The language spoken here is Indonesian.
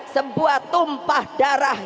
sebuah tumpah darah